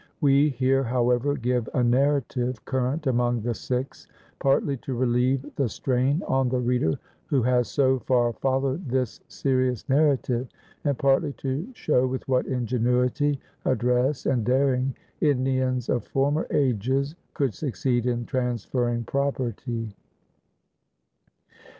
We here, however, give a narrative current among the Sikhs partly to relieve the strain on the reader who has so far followed this serious narrative, and partly to show with what ingenuity, address, and daring Indians of former ages could succeed in transferring property.